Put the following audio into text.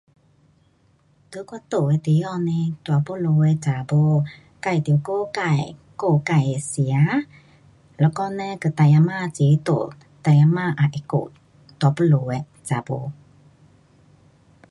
在我住的地方嘞，大肚子的女孩，自得顾自，顾自的吃，若讲呢跟大家婆一起住，大家婆也去顾大肚子的女孩。